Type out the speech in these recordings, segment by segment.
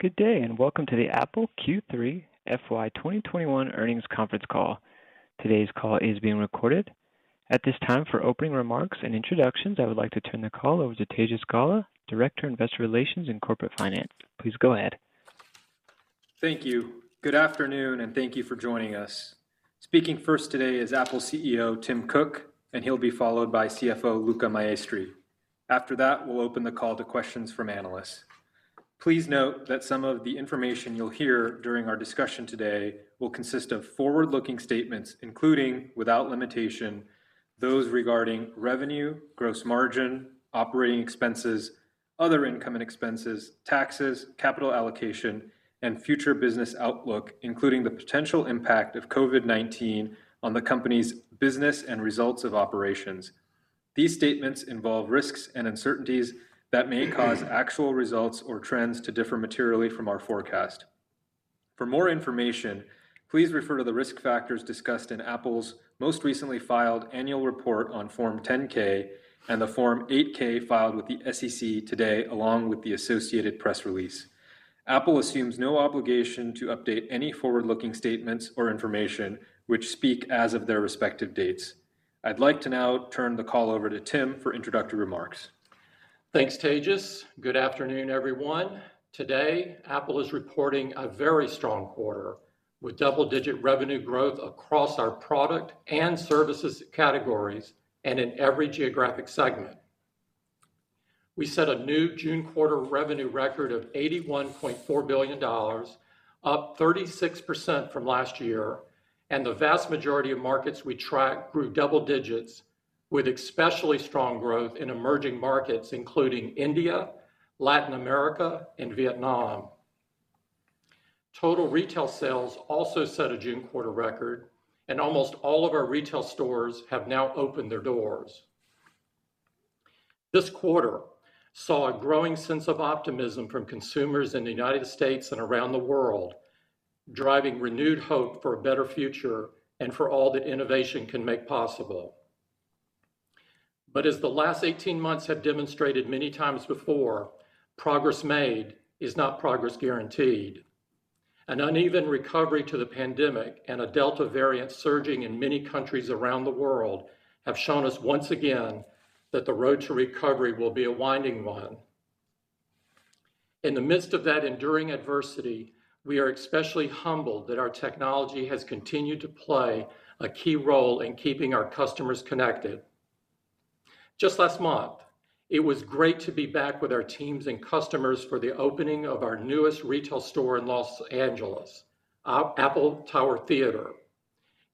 Good day, and welcome to the Apple Q3 FY 2021 earnings conference call. Today's call is being recorded. At this time, for opening remarks and introductions, I would like to turn the call over to Tejas Gala, Director, Investor Relations and Corporate Finance. Please go ahead. Thank you. Good afternoon, and thank you for joining us. Speaking first today is Apple CEO Tim Cook, and he'll be followed by CFO Luca Maestri. After that, we'll open the call to questions from analysts. Please note that some of the information you'll hear during our discussion today will consist of forward-looking statements, including, without limitation, those regarding revenue, gross margin, operating expenses, other income and expenses, taxes, capital allocation, and future business outlook, including the potential impact of COVID-19 on the company's business and results of operations. These statements involve risks and uncertainties that may cause actual results or trends to differ materially from our forecast. For more information, please refer to the risk factors discussed in Apple's most recently filed annual report on Form 10-K and the Form 8-K filed with the SEC today, along with the associated press release. Apple assumes no obligation to update any forward-looking statements or information, which speak as of their respective dates. I'd like to now turn the call over to Tim for introductory remarks. Thanks, Tejas. Good afternoon, everyone. Today, Apple is reporting a very strong quarter, with double-digit revenue growth across our product and services categories and in every geographic segment. We set a new June quarter revenue record of $81.4 billion, up 36% from last year, and the vast majority of markets we track grew double digits, with especially strong growth in emerging markets, including India, Latin America, and Vietnam. Total retail sales also set a June quarter record, and almost all of our retail stores have now opened their doors. This quarter saw a growing sense of optimism from consumers in the United States and around the world, driving renewed hope for a better future and for all that innovation can make possible. As the last 18 months have demonstrated many times before, progress made is not progress guaranteed. An uneven recovery from the pandemic and a Delta variant surging in many countries around the world have shown us once again that the road to recovery will be a winding one. In the midst of that enduring adversity, we are especially humbled that our technology has continued to play a key role in keeping our customers connected. Just last month, it was great to be back with our teams and customers for the opening of our newest retail store in Los Angeles, Apple Tower Theatre.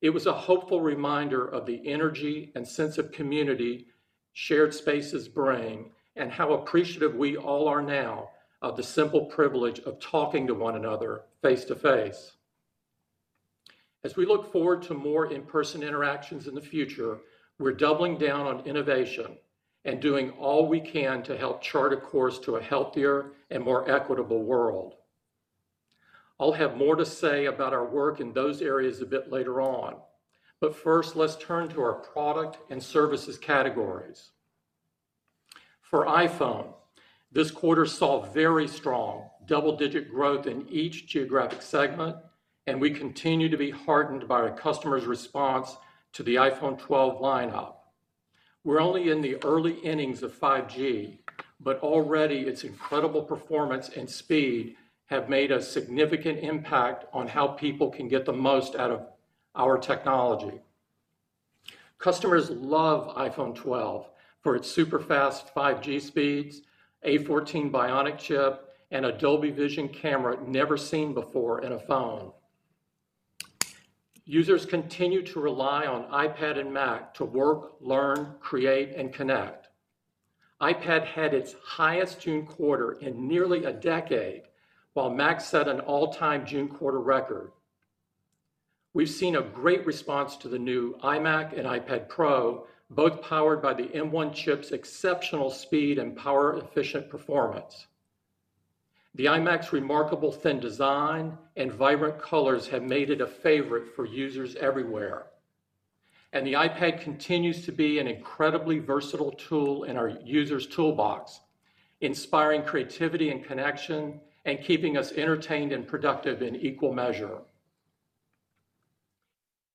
It was a hopeful reminder of the energy and sense of community shared spaces bring and how appreciative we all are now of the simple privilege of talking to one another face-to-face. As we look forward to more in-person interactions in the future, we're doubling down on innovation and doing all we can to help chart a course to a healthier and more equitable world. I'll have more to say about our work in those areas a bit later on. First, let's turn to our product and services categories. For iPhone, this quarter saw very strong double-digit growth in each geographic segment, and we continue to be heartened by our customers' response to the iPhone 12 lineup. We're only in the early innings of 5G, but already its incredible performance and speed have made a significant impact on how people can get the most out of our technology. Customers love the iPhone 12 for its super-fast 5G speeds, A14 Bionic chip, and a Dolby Vision camera never seen before in a phone. Users continue to rely on iPad and Mac to work, learn, create, and connect. iPad had its highest June quarter in nearly a decade, while Mac set an all-time June quarter record. We've seen a great response to the new iMac and iPad Pro, both powered by the M1 chip's exceptional speed and power-efficient performance. The iMac's remarkable thin design and vibrant colors have made it a favorite for users everywhere. The iPad continues to be an incredibly versatile tool in our users' toolbox, inspiring creativity and connection and keeping us entertained and productive in equal measure.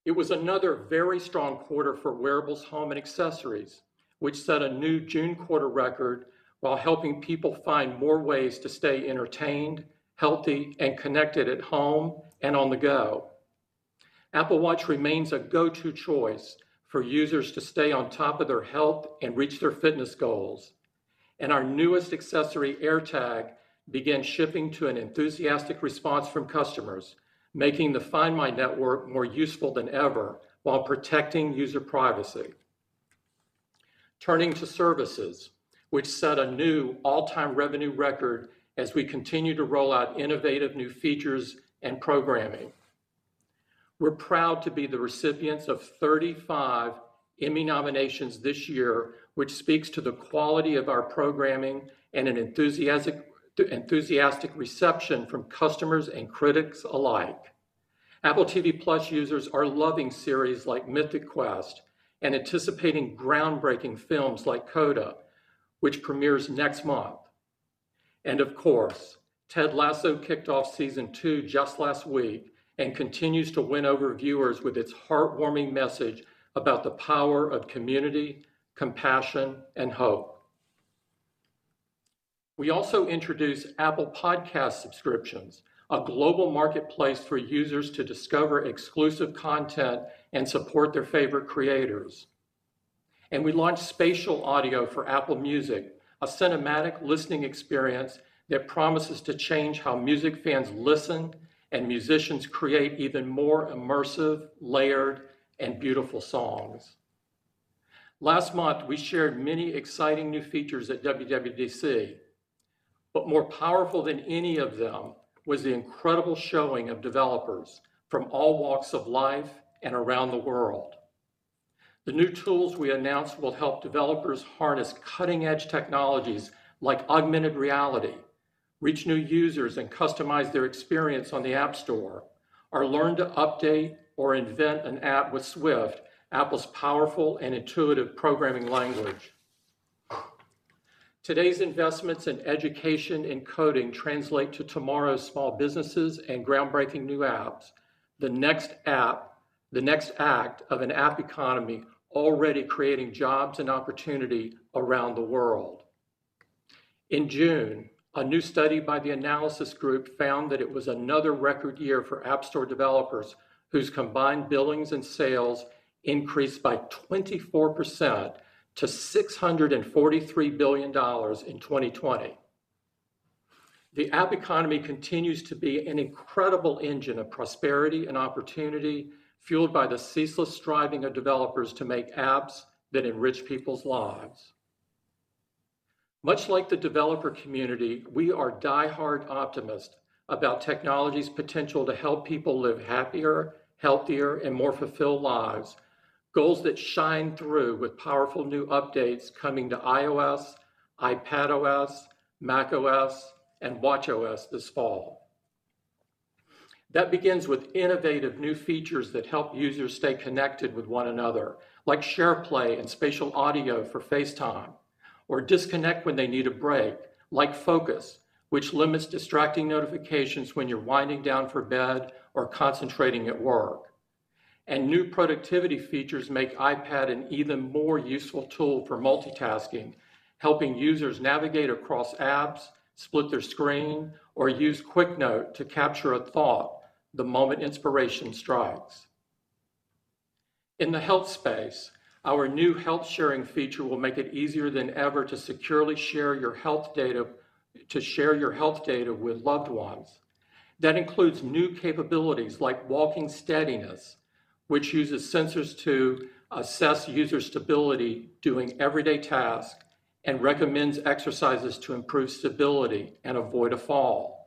It was another very strong quarter for wearables, home, and accessories, which set a new June quarter record while helping people find more ways to stay entertained, healthy, and connected at home and on the go. Apple Watch remains a go-to choice for users to stay on top of their health and reach their fitness goals. Our newest accessory, AirTag, began shipping to an enthusiastic response from customers, making the Find My network more useful than ever while protecting user privacy. Turning to services, which set a new all-time revenue record as we continue to roll out innovative new features and programming. We're proud to be the recipients of 35 Emmy nominations this year, which speaks to the quality of our programming and an enthusiastic reception from customers and critics alike. Apple TV+ users are loving series like "Mythic Quest" and anticipating groundbreaking films like "CODA," which premieres next month. Of course, "Ted Lasso" kicked off Season 2 just last week and continues to win over viewers with its heartwarming message about the power of community, compassion, and hope. We also introduced Apple Podcasts subscriptions, a global marketplace for users to discover exclusive content and support their favorite creators. We launched Spatial Audio for Apple Music, a cinematic listening experience that promises to change how music fans listen and musicians create even more immersive, layered, and beautiful songs. Last month, we shared many exciting new features at WWDC, but more powerful than any of them was the incredible showing of developers from all walks of life and around the world. The new tools we announced will help developers harness cutting-edge technologies like augmented reality; reach new users; and customize their experience on the App Store, or learn to update or invent an app with Swift, Apple's powerful and intuitive programming language. Today's investments in education and coding translate to tomorrow's small businesses and groundbreaking new apps, the next act of an app economy already creating jobs and opportunity around the world. In June, a new study by the Analysis Group found that it was another record year for App Store developers, whose combined billings and sales increased by 24% to $643 billion in 2020. The app economy continues to be an incredible engine of prosperity and opportunity, fueled by the ceaseless striving of developers to make apps that enrich people's lives. Much like the developer community, we are diehard optimists about technology's potential to help people live happier, healthier, and more fulfilled lives, goals that shine through with powerful new updates coming to iOS, iPadOS, macOS, and watchOS this fall. That begins with innovative new features that help users stay connected with one another, like SharePlay and Spatial Audio for FaceTime, or disconnect when they need a break, like Focus, which limits distracting notifications when you're winding down for bed or concentrating at work. New productivity features make the iPad an even more useful tool for multitasking, helping users navigate across apps, split their screen, or use Quick Note to capture a thought the moment inspiration strikes. In the health space, our new health-sharing feature will make it easier than ever to securely share your health data with loved ones. That includes new capabilities like Walking Steadiness, which uses sensors to assess user stability doing everyday tasks and recommends exercises to improve stability and avoid a fall.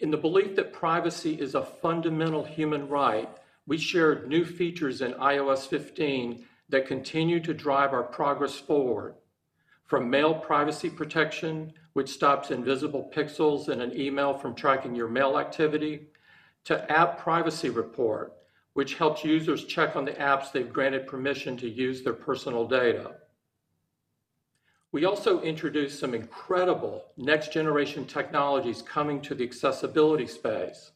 In the belief that privacy is a fundamental human right, we shared new features in iOS 15 that continue to drive our progress forward. From Mail Privacy Protection, which stops invisible pixels in an email from tracking your mail activity, to App Privacy Report, which helps users check on the apps they've granted permission to use their personal data. We also introduced some incredible next-generation technologies coming to the accessibility space.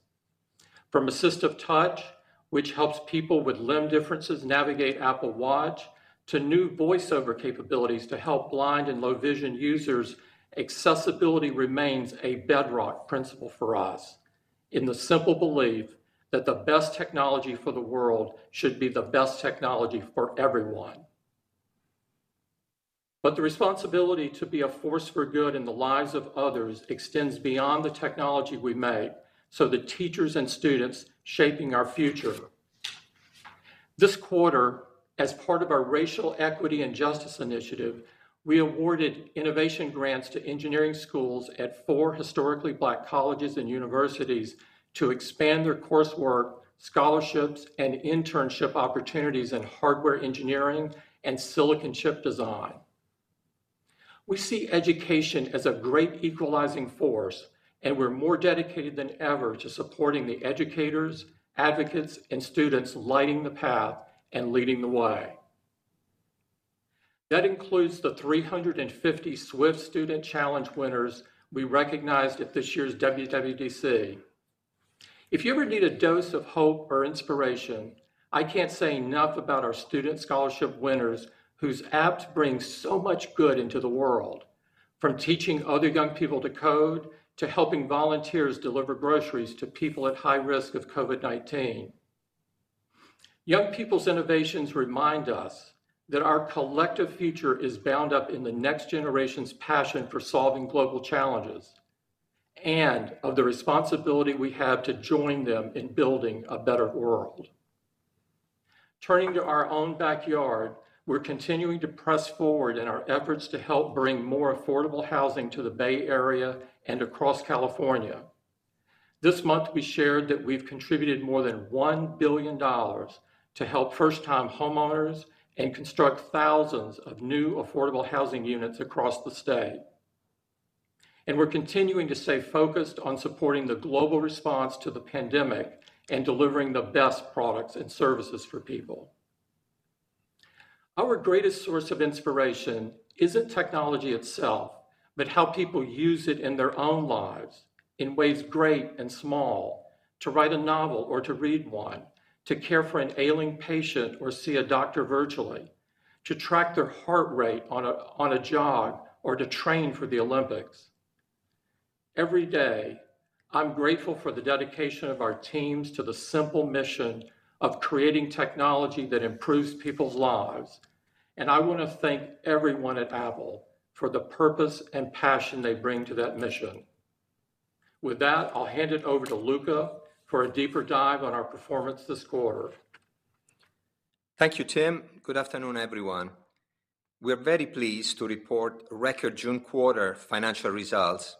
From AssistiveTouch, which helps people with limb differences navigate Apple Watch, to new VoiceOver capabilities to help blind and low-vision users, accessibility remains a bedrock principle for us in the simple belief that the best technology for the world should be the best technology for everyone. The responsibility to be a force for good in the lives of others extends beyond the technology we make to the teachers and students shaping our future. This quarter, as part of our Racial Equity and Justice Initiative, we awarded innovation grants to engineering schools at four historically Black colleges and universities to expand their coursework, scholarships, and internship opportunities in hardware engineering and silicon chip design. We see education as a great equalizing force; we're more dedicated than ever to supporting the educators, advocates, and students lighting the path and leading the way. That includes the 350 Swift Student Challenge winners we recognized at this year's WWDC. If you ever need a dose of hope or inspiration, I can't say enough about our student scholarship winners whose apps bring so much good into the world. From teaching other young people to code to helping volunteers deliver groceries to people at high risk of COVID-19. Young people's innovations remind us that our collective future is bound up in the next generation's passion for solving global challenges and of the responsibility we have to join them in building a better world. Turning to our own backyard, we're continuing to press forward in our efforts to help bring more affordable housing to the Bay Area and across California. This month, we shared that we've contributed more than $1 billion to help first-time homeowners and construct thousands of new affordable housing units across the state. We're continuing to stay focused on supporting the global response to the pandemic and delivering the best products and services for people. Our greatest source of inspiration isn't technology itself but how people use it in their own lives in ways great and small, to write a novel or to read one, to care for an ailing patient or to see a doctor virtually, to track their heart rate on a jog or to train for the Olympics. Every day, I'm grateful for the dedication of our teams to the simple mission of creating technology that improves people's lives, and I want to thank everyone at Apple for the purpose and passion they bring to that mission. With that, I'll hand it over to Luca for a deeper dive on our performance this quarter. Thank you, Tim. Good afternoon, everyone. We are very pleased to report record June quarter financial results,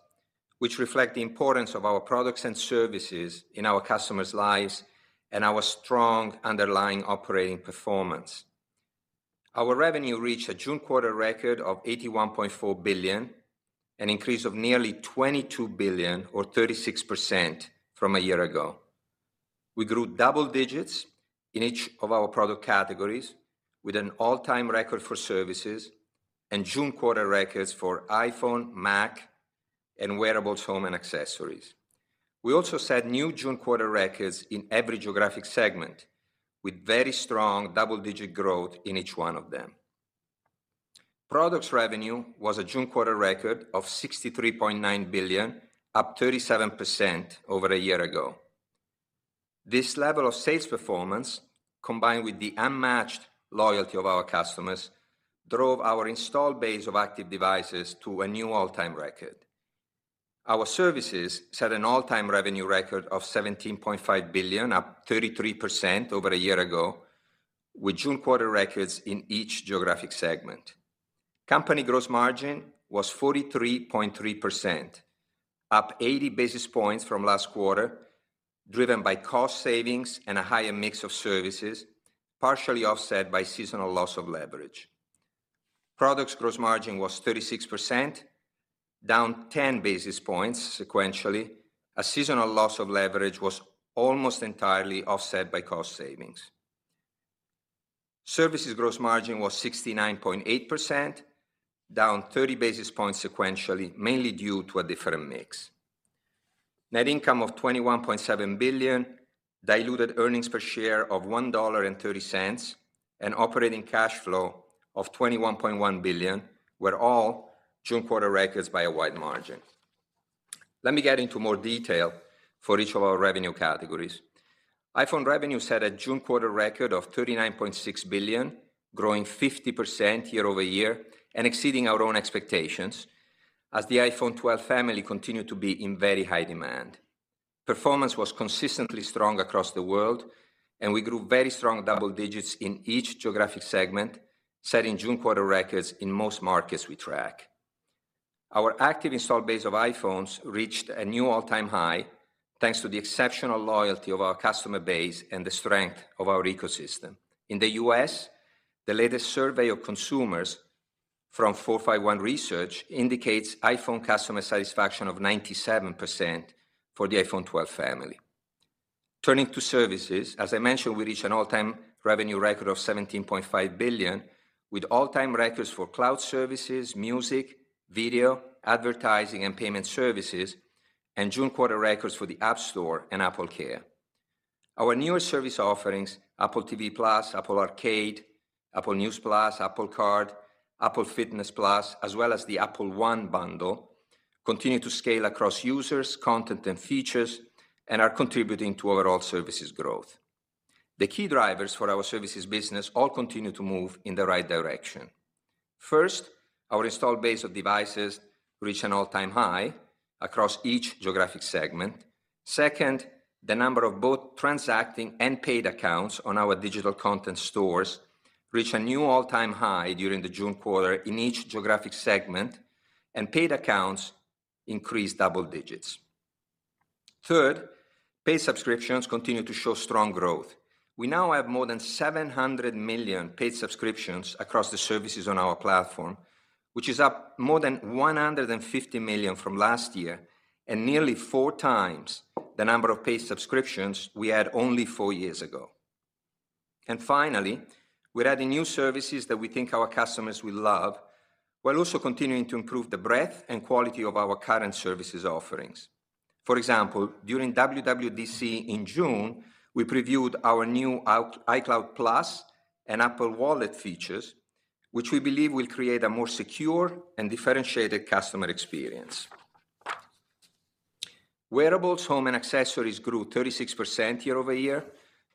which reflect the importance of our products and services in our customers' lives and our strong underlying operating performance. Our revenue reached a June quarter record of $81.4 billion, an increase of nearly $22 billion or 36% from a year ago. We grew double digits in each of our product categories with an all-time record for services and June quarter records for iPhone, Mac, Wearables, Home, and Accessories. We also set new June quarter records in every geographic segment with very strong double-digit growth in each one of them. Product revenue was a June quarter record of $63.9 billion, up 37% over a year ago. This level of sales performance, combined with the unmatched loyalty of our customers, drove our installed base of active devices to a new all-time record. Our services set an all-time revenue record of $17.5 billion, up 33% over a year ago, with June quarter records in each geographic segment. Company gross margin was 43.3%, up 80 basis points from last quarter, driven by cost savings and a higher mix of services, partially offset by seasonal loss of leverage. Products gross margin was 36%, down 10 basis points sequentially, as the seasonal loss of leverage was almost entirely offset by cost savings. Services' gross margin was 69.8%, down 30 basis points sequentially, mainly due to a different mix. Net income of $21.7 billion, diluted earnings per share of $1.30, and operating cash flow of $21.1 billion were all June quarter records by a wide margin. Let me get into more detail for each of our revenue categories. iPhone revenue set a June quarter record of $39.6 billion, growing 50% year-over-year and exceeding our own expectations as the iPhone 12 family continued to be in very high demand. Performance was consistently strong across the world, and we grew very strong double digits in each geographic segment, setting June quarter records in most markets we track. Our active installed base of iPhones reached a new all-time high, thanks to the exceptional loyalty of our customer base and the strength of our ecosystem. In the U.S., the latest survey of consumers from 451 Research indicates iPhone customer satisfaction of 97% for the iPhone 12 family. Turning to services, as I mentioned, we reached an all-time revenue record of $17.5 billion with all-time records for Cloud services, music, video, advertising, and payment services and June quarter records for the App Store and AppleCare. Our newer service offerings, Apple TV+, Apple Arcade, Apple News+, Apple Card, and Apple Fitness+, as well as the Apple One bundle, continue to scale across users, content, and features and are contributing to overall services growth. The key drivers for our services business all continue to move in the right direction. First, our installed base of devices reached an all-time high across each geographic segment. Second, the number of both transacting and paid accounts on our digital content stores reached a new all-time high during the June quarter in each geographic segment, and paid accounts increased double digits. Third, paid subscriptions continue to show strong growth. We now have more than 700 million paid subscriptions across the services on our platform, which is up more than 150 million from last year and nearly 4x the number of paid subscriptions we had only four years ago. Finally, we're adding new services that we think our customers will love while also continuing to improve the breadth and quality of our current service offerings. For example, during WWDC in June, we previewed our new iCloud+ and Apple Wallet features, which we believe will create a more secure and differentiated customer experience. Wearables, Home, and Accessories grew 36% year-over-year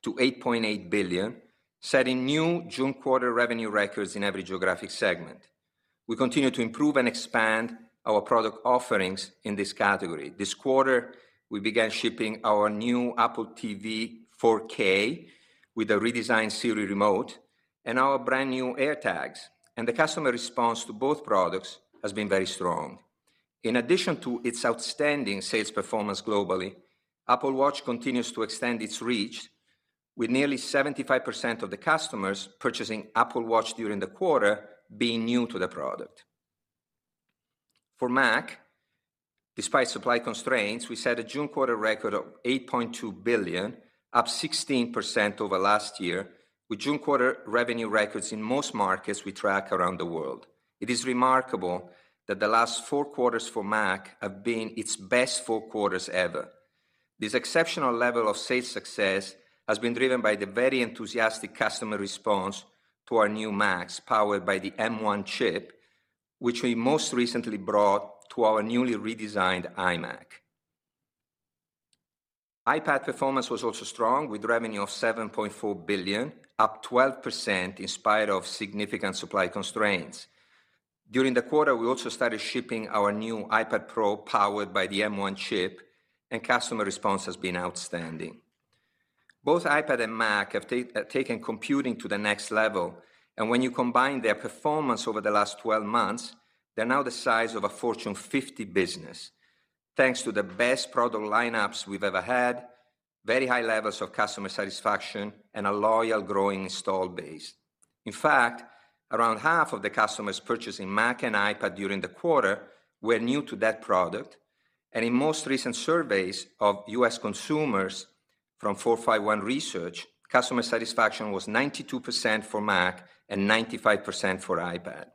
to $8.8 billion, setting new June-quarter revenue records in every geographic segment. We continue to improve and expand our product offerings in this category. This quarter, we began shipping our new Apple TV 4K with a redesigned Siri remote and our brand-new AirTags, and the customer response to both products has been very strong. In addition to its outstanding sales performance globally, Apple Watch continues to extend its reach. With nearly 75% of the customers purchasing the Apple Watch during the quarter being new to the product. For Mac, despite supply constraints, we set a June quarter record of $8.2 billion, up 16% over last year, with June quarter revenue records in most markets we track around the world. It is remarkable that the last four quarters for Mac have been its best four quarters ever. This exceptional level of sales success has been driven by the very enthusiastic customer response to our new Macs, powered by the M1 chip, which we most recently brought to our newly redesigned iMac. iPad performance was also strong, with revenue of $7.4 billion, up 12% in spite of significant supply constraints. During the quarter, we also started shipping our new iPad Pro, powered by the M1 chip. Customer response has been outstanding. Both iPad and Mac have taken computing to the next level, and when you combine their performance over the last 12 months, they're now the size of a Fortune 50 business, thanks to the best product lineups we've ever had, very high levels of customer satisfaction, and a loyal, growing installed base. In fact, around half of the customers purchasing Mac and iPad during the quarter were new to that product. In most recent surveys of U.S. consumers from 451 Research, customer satisfaction was 92% for Mac and 95% for iPad.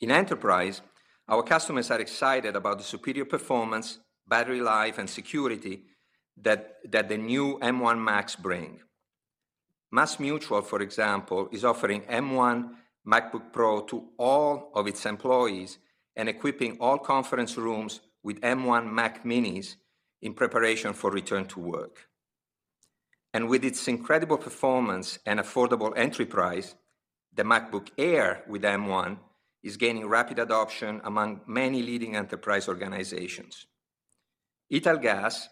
In enterprise, our customers are excited about the superior performance, battery life, and security that the new M1 Macs bring. MassMutual, for example, is offering M1 MacBook Pro to all of its employees and equipping all conference rooms with M1 Mac Minis in preparation for return to work. With its incredible performance and affordable entry price, the MacBook Air with M1 is gaining rapid adoption among many leading enterprise organizations. Italgas,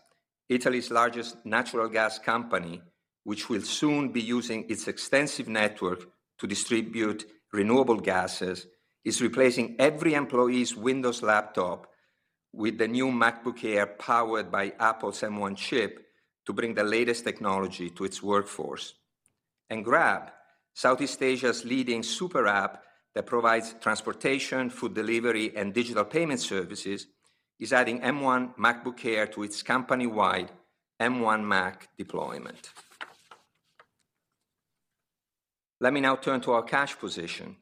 Italy's largest natural gas company, which will soon be using its extensive network to distribute renewable gases, is replacing every employee's Windows laptop with the new MacBook Air powered by Apple's M1 chip to bring the latest technology to its workforce. Grab, Southeast Asia's leading super app that provides transportation, food delivery, and digital payment services, is adding M1 MacBook Air to its company-wide M1 Mac deployment. Let me now turn to our cash position.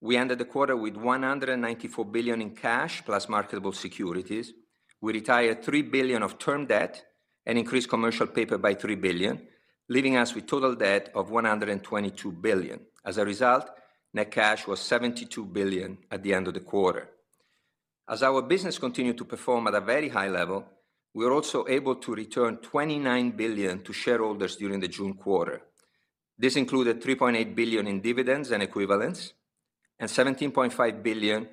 We ended the quarter with $194 billion in cash plus marketable securities. We retired $3 billion of term debt and increased commercial paper by $3 billion, leaving us with total debt of $122 billion. As a result, net cash was $72 billion at the end of the quarter. As our business continued to perform at a very high level, we were also able to return $29 billion to shareholders during the June quarter. This included $3.8 billion in dividends and equivalents and $17.5 billion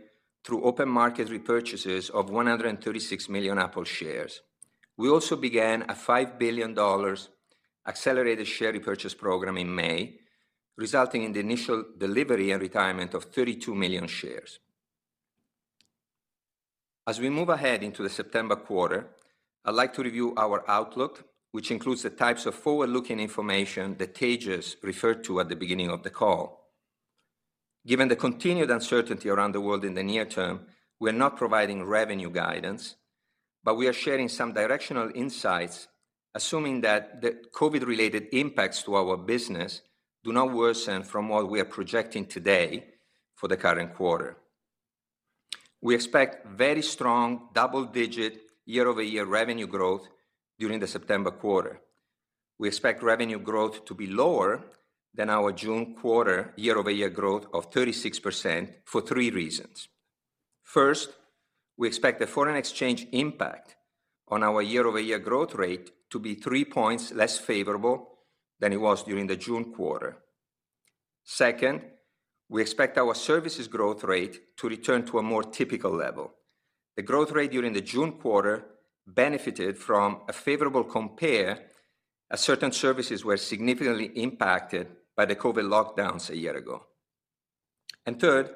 through open market repurchases of 136 million Apple shares. We also began a $5 billion accelerated share repurchase program in May, resulting in the initial delivery and retirement of 32 million shares. As we move ahead into the September quarter, I'd like to review our outlook, which includes the types of forward-looking information that Tejas referred to at the beginning of the call. Given the continued uncertainty around the world in the near term, we are not providing revenue guidance; we are sharing some directional insights, assuming that the COVID-related impacts to our business do not worsen from what we are projecting today for the current quarter. We expect very strong double-digit year-over-year revenue growth during the September quarter. We expect revenue growth to be lower than our June quarter year-over-year growth of 36% for three reasons. First, we expect the foreign exchange impact on our year-over-year growth rate to be 3 points less favorable than it was during the June quarter. Second, we expect our services' growth rate to return to a more typical level. The growth rate during the June quarter benefited from a favorable comparison as certain services were significantly impacted by the COVID-19 lockdowns a year ago. Third,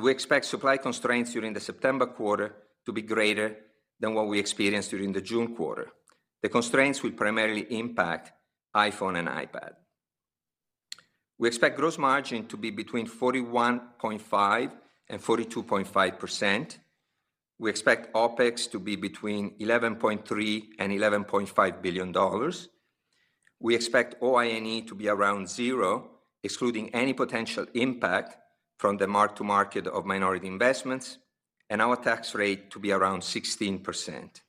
we expect supply constraints during the September quarter to be greater than what we experienced during the June quarter. The constraints will primarily impact iPhone and iPad. We expect gross margin to be between 41.5% and 42.5%. We expect OpEx to be between $11.3 billion and $11.5 billion. We expect OI&E to be around zero, excluding any potential impact from the mark-to-market of minority investments, and our tax rate to be around 16%.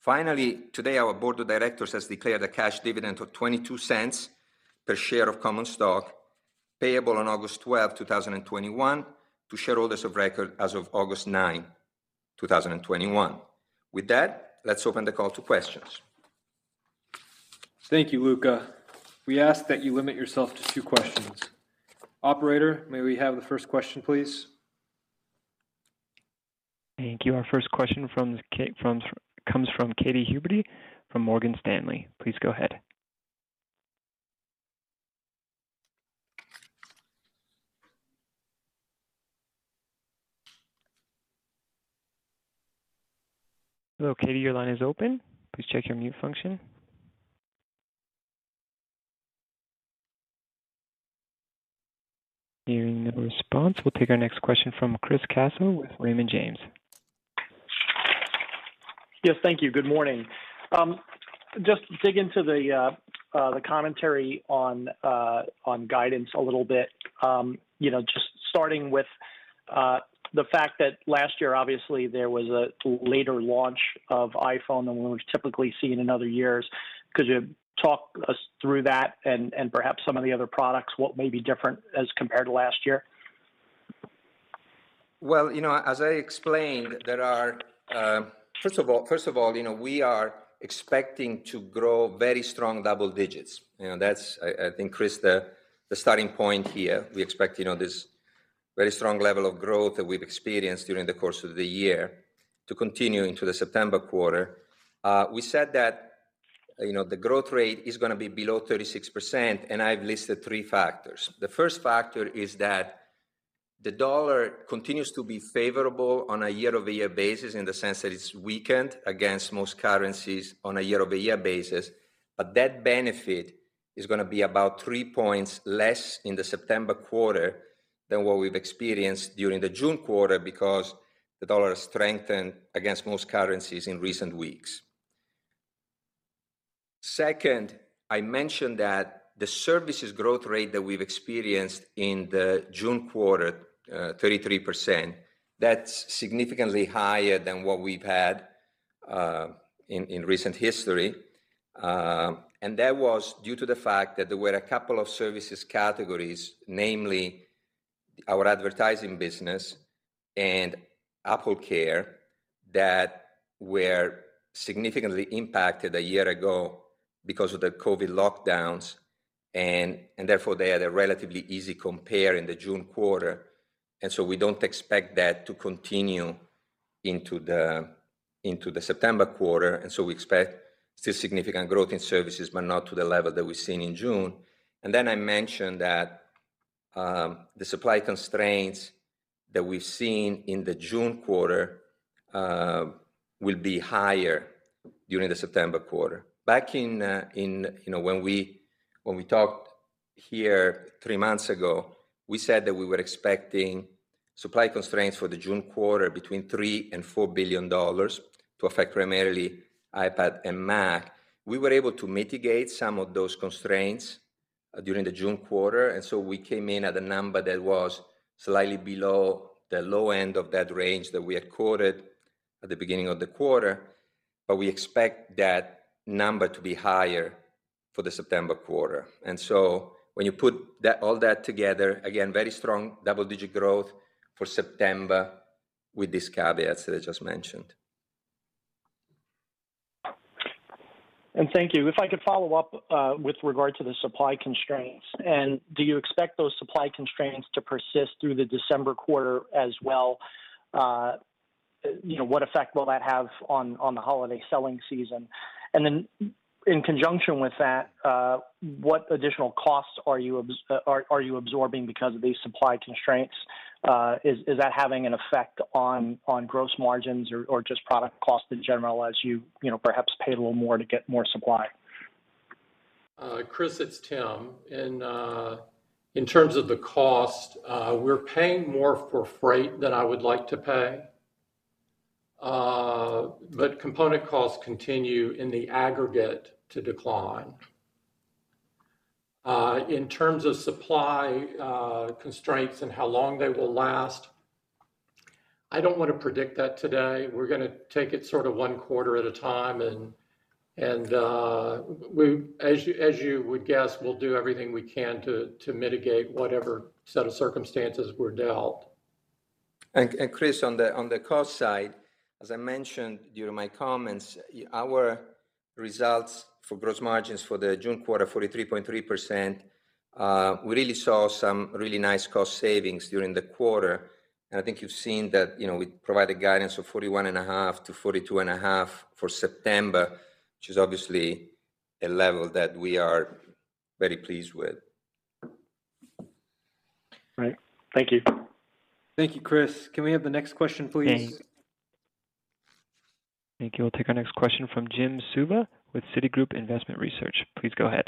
Finally, today our board of directors has declared a cash dividend of $0.22 per share of common stock, payable on August 12, 2021, to shareholders of record as of August 9, 2021. With that, let's open the call to questions. Thank you, Luca. We ask that you limit yourself to two questions. Operator, may we have the first question, please? Thank you. Our first question comes from Katie Huberty from Morgan Stanley. Hearing no response, we'll take our next question from Chris Caso with Raymond James. Yes, thank you. Good morning. Just to dig into the commentary on guidance a little bit. Just starting with the fact that last year, obviously, there was a later launch of iPhone than we've typically seen in other years. Could you talk us through that and perhaps some of the other products? What may be different as compared to last year? Well, as I explained, first of all, we are expecting to grow very strong double digits. That's, I think, Chris, the starting point here. We expect this very strong level of growth that we've experienced during the course of the year to continue into the September quarter. We said that the growth rate is going to be below 36%, and I've listed three factors. The first factor is that the dollar continues to be favorable on a year-over-year basis in the sense that it's weakened against most currencies on a year-over-year basis. That benefit is going to be about 3 points less in the September quarter than what we've experienced during the June quarter because the dollar strengthened against most currencies in recent weeks. I mentioned that the services growth rate that we've experienced in the June quarter, 33%, is significantly higher than what we've had in recent history. That was due to the fact that there were a couple of service categories, namely our advertising business and AppleCare, that were significantly impacted a year ago because of the COVID-19 lockdowns, and therefore, they had a relatively easy comparison in the June quarter. We don't expect that to continue into the September quarter. We expect still significant growth in services, but not to the level that we saw in June. I mentioned that the supply constraints that we've seen in the June quarter will be higher during the September quarter. Back when we talked here three months ago, we said that we were expecting supply constraints for the June quarter between $3 billion and $4 billion to affect primarily iPad and Mac. We were able to mitigate some of those constraints during the June quarter, so we came in at a number that was slightly below the low end of that range that we had quoted at the beginning of the quarter. We expect that number to be higher for the September quarter. When you put all that together, again, very strong double-digit growth for September with these caveats that I just mentioned. Thank you. If I could follow up with regard to the supply constraints, do you expect those supply constraints to persist through the December quarter as well? What effect will that have on the holiday selling season? In conjunction with that, what additional costs are you absorbing because of these supply constraints? Is that having an effect on gross margins or just product cost in general as you perhaps pay a little more to get more supply? Chris, it's Tim. In terms of the cost, we're paying more for freight than I would like to pay. Component costs continue in the aggregate to decline. In terms of supply constraints and how long they will last, I don't want to predict that today. We're going to take it one quarter at a time, and as you would guess, we'll do everything we can to mitigate whatever set of circumstances we're dealt. Chris, on the cost side, as I mentioned during my comments, our results for gross margins for the June quarter, 43.3%, we really saw some really nice cost savings during the quarter. I think you've seen that we provided guidance of 41.5%-42.5% for September, which is obviously a level that we are very pleased with. Right. Thank you. Thank you, Chris. Can we have the next question, please? Thanks. Thank you. We'll take our next question from Jim Suva with Citigroup Investment Research. Please go ahead.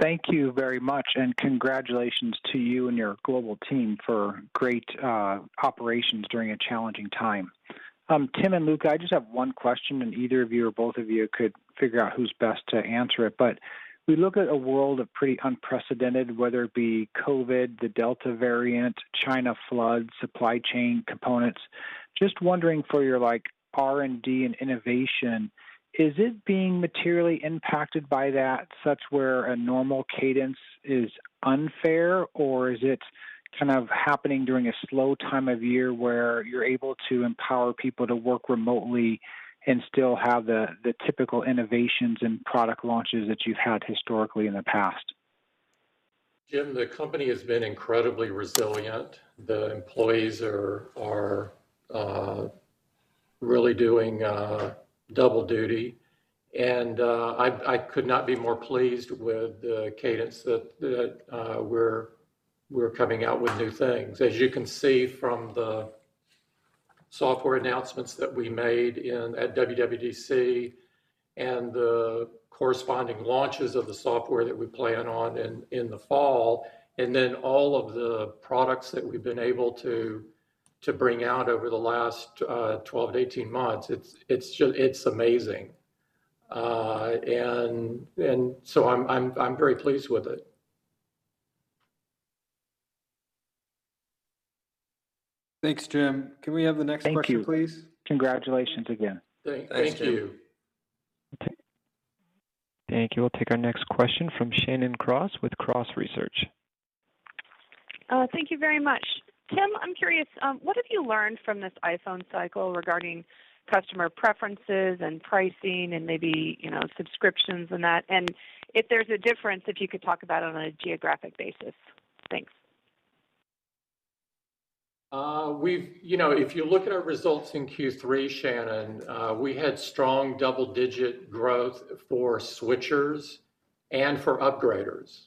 Thank you very much, and congratulations to you and your global team for great operations during a challenging time. Tim and Luca, I just have one question, and either of you or both of you could figure out who's best to answer it. We look at a world of pretty unprecedented, whether it be COVID, the Delta variant, China floods, or supply chain components. Just wondering, for your R&D and innovation, is it being materially impacted by that, such that a normal cadence is unfair, or is it happening during a slow time of year where you're able to empower people to work remotely and still have the typical innovations and product launches that you've had historically in the past? Jim, the company has been incredibly resilient. The employees are really doing double duty. I could not be more pleased with the cadence that we're coming out with new things. As you can see from the software announcements that we made at WWDC and the corresponding launches of the software that we plan on in the fall, all of the products that we've been able to bring out over the last 12-18 months are amazing. I'm very pleased with it. Thanks, Jim. Can we have the next question, please? Thank you. Congratulations again. Thanks, Jim. Thank you. Thank you. We'll take our next question from Shannon Cross with Cross Research. Thank you very much. Tim, I'm curious, what have you learned from this iPhone cycle regarding customer preferences and pricing and maybe subscriptions and that? If there's a difference, could you talk about it on a geographic basis? Thanks. If you look at our results in Q3, Shannon, we had strong double-digit growth for switchers and for upgraders.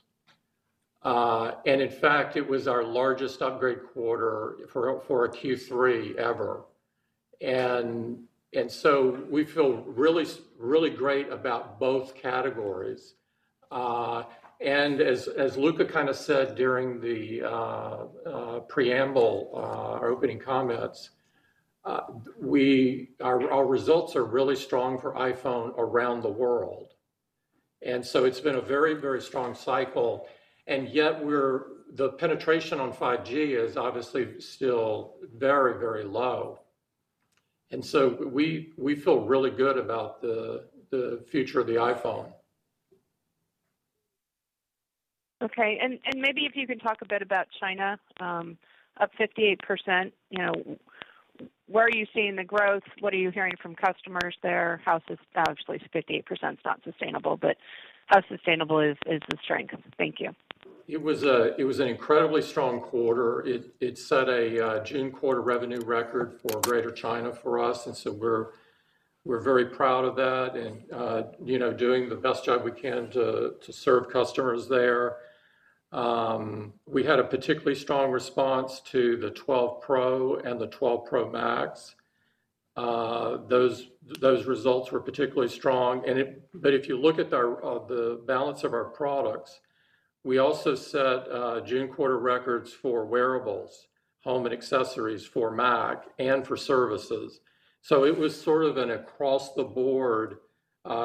In fact, it was our largest upgrade quarter for a Q3 ever. We feel really great about both categories. As Luca said during the preamble, our opening comments, our results are really strong for iPhone around the world. It's been a very strong cycle, and yet, the penetration on 5G is obviously still very low. We feel really good about the future of the iPhone. Okay. Maybe if you can talk a bit about China, up 58%. Where are you seeing the growth? What are you hearing from customers there? Obviously, 58% is not sustainable, but how sustainable is the strength? Thank you. It was an incredibly strong quarter. It set a June quarter revenue record for Greater China for us. We're very proud of that and doing the best job we can to serve customers there. We had a particularly strong response to the 12 Pro and the 12 Pro Max. Those results were particularly strong. If you look at the balance of our products, we also set June quarter records for wearables, home and accessories for Mac, and services. It was sort of an across-the-board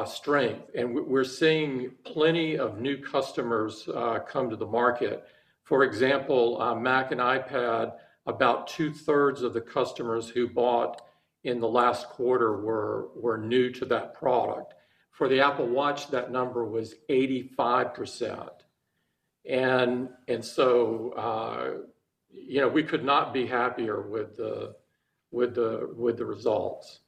strength. We're seeing plenty of new customers come to the market. For example, for Mac and iPad, about two-thirds of the customers who bought in the last quarter were new to that product. For the Apple Watch, that number was 85%. We could not be happier with the results.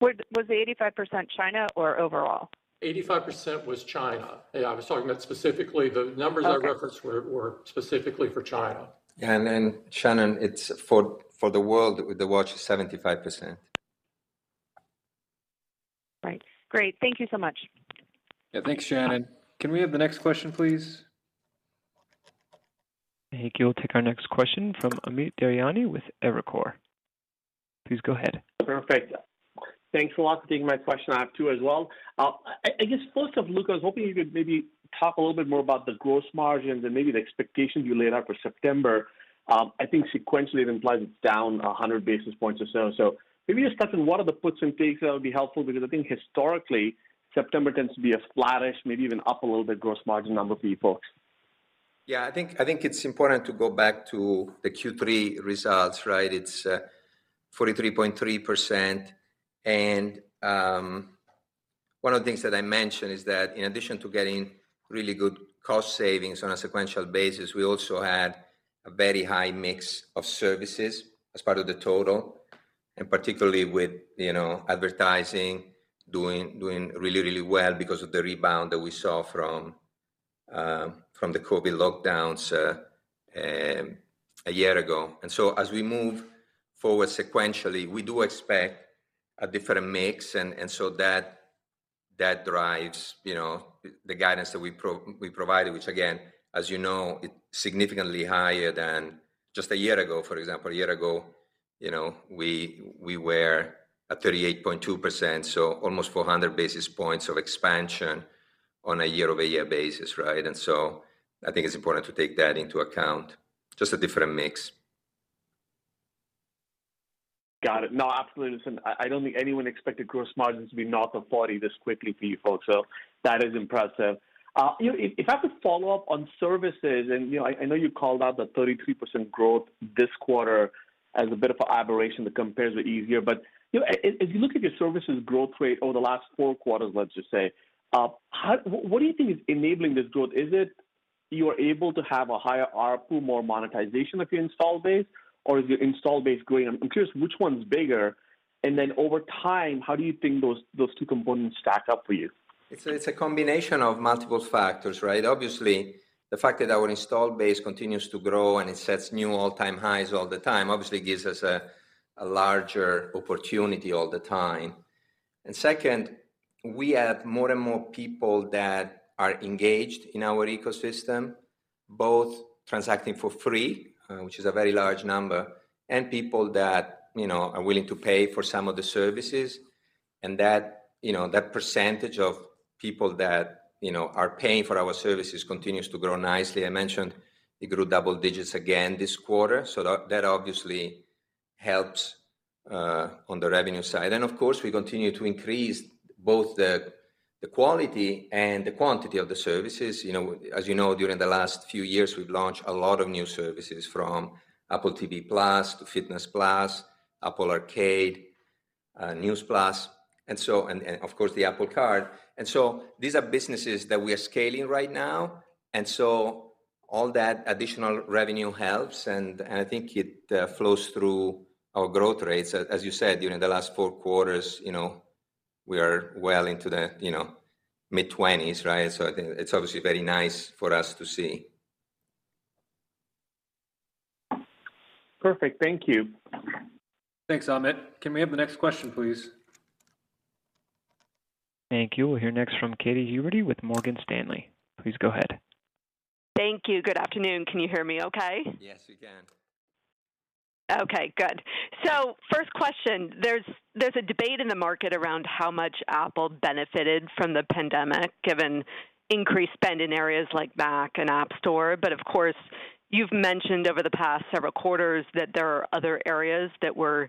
Was the 85% China or overall? 85% was China. Yeah, I was talking about specifically the numbers. Okay I referenced were specifically for China. Shannon, it's for the world, with the watch, 75%. Right. Great. Thank you so much. Yeah, thanks, Shannon. Can we have the next question, please? Thank you. We'll take our next question from Amit Daryanani with Evercore. Please go ahead. Perfect. Thanks a lot for taking my question. I have two as well. I guess first up, Luca, I was hoping you could maybe talk a little bit more about the gross margins and maybe the expectations you laid out for September. I think sequentially, it implies it's down 100 basis points or so. Maybe just touch on what the puts and takes. That would be helpful because I think historically, September tends to be a flattish, maybe even up a little bit, gross margin number for you folks. Yeah, I think it's important to go back to the Q3 results, right? It's 43.3%. One of the things that I mentioned is that in addition to getting really good cost savings on a sequential basis, we also had a very high mix of services as part of the total. Particularly with advertising doing really well because of the rebound that we saw from the COVID lockdowns a year ago. As we move forward sequentially, we do expect a different mix, and so that drives the guidance that we provided, which, again, as you know, is significantly higher than just a year ago. For example, a year ago, we were at 38.2%, so almost 400 basis points of expansion on a year-over-year basis, right? I think it's important to take that into account, just a different mix. Got it. No, absolutely. Listen, I don't think anyone expected gross margins to be north of 40% this quickly for you folks, so that is impressive. If I could follow up on services, I know you called out the 33% growth this quarter as a bit of an aberration that compares with ease; if you look at your services' growth rate over the last four quarters, let's just say, what do you think is enabling this growth? Are you able to have a higher ARPU, more monetization of your install base, or is your install base growing? I'm curious which one's bigger, and then over time, how do you think those two components stack up for you? It's a combination of multiple factors, right? Obviously, the fact that our install base continues to grow and it sets new all-time highs all the time obviously gives us a larger opportunity all the time. Second, we have more and more people that are engaged in our ecosystem, both transacting for free, which is a very large number, and people that are willing to pay for some of the services. That percentage of people that are paying for our services continues to grow nicely. I mentioned it grew double digits again this quarter; that obviously helps on the revenue side. Of course, we continue to increase both the quality and the quantity of the services. As you know, during the last few years, we've launched a lot of new services, from Apple TV+ to Fitness+, Apple Arcade, News+, and, of course, the Apple Card. These are businesses that we are scaling right now; all that additional revenue helps. I think it flows through our growth rates. As you said, during the last fourth quarters, we are well into the mid-20s, right? I think it's obviously very nice for us to see. Perfect. Thank you. Thanks, Amit. Can we have the next question, please? Thank you. We'll hear next from Katie Huberty with Morgan Stanley. Please go ahead. Thank you. Good afternoon. Can you hear me okay? Yes, we can. Okay, good. First question: There's a debate in the market around how much Apple benefited from the pandemic, given increased spend in areas like Mac and the App Store. Of course, you've mentioned over the past several quarters that there are other areas that were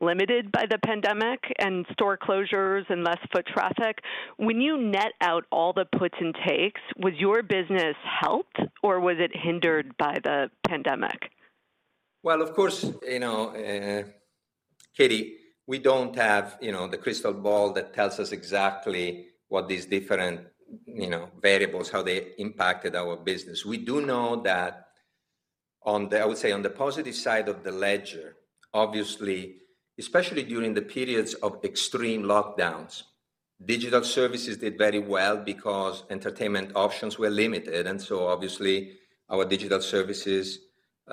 limited by the pandemic and store closures and less foot traffic. When you net out all the puts and takes, was your business helped, or was it hindered by the pandemic? Well, of course, Katie, we don't have the crystal ball that tells us exactly what these different variables are or how they impacted our business. We do know that, I would say, on the positive side of the ledger, obviously, especially during the periods of extreme lockdowns, digital services did very well because entertainment options were limited, and so obviously, our digital services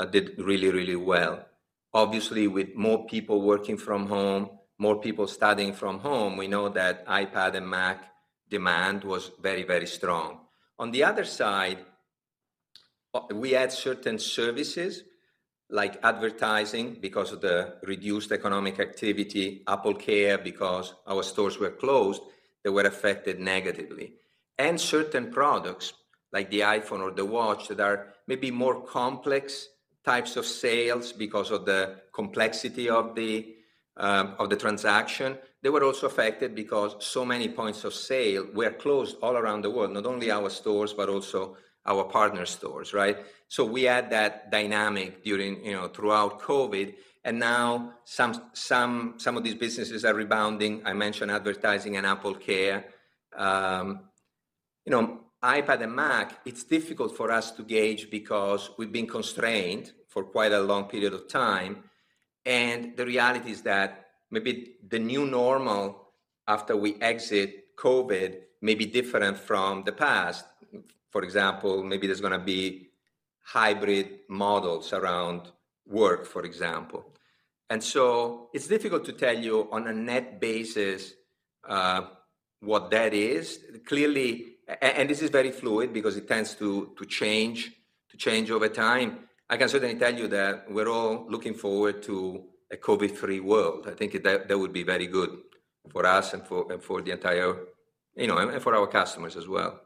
did really well. Obviously, with more people working from home and more people studying from home, we know that iPad and Mac demand was very strong. On the other side, we had certain services like advertising, because of the reduced economic activity, and AppleCare, because our stores were closed, that were affected negatively. Certain products like the iPhone or the Watch that are maybe more complex types of sales because of the complexity of the transaction were also affected because so many points of sale were closed all around the world, not only our stores but also our partner stores, right? We had that dynamic throughout COVID, and now some of these businesses are rebounding. I mentioned advertising and AppleCare. iPad and Mac, it's difficult for us to gauge because we've been constrained for quite a long period of time, and the reality is that maybe the new normal after we exit COVID may be different from the past. For example, maybe there's going to be hybrid models around work, for example. It's difficult to tell you on a net basis what that is. This is very fluid because it tends to change over time. I can certainly tell you that we're all looking forward to a COVID-free world. I think that would be very good for us and for our customers as well.